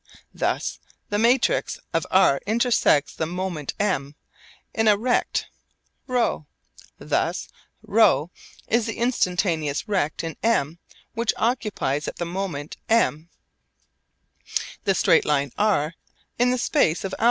Thus the matrix of r intersects the moment M in a rect ρ. Thus ρ is the instantaneous rect in M which occupies at the moment M the straight line r in the space of α.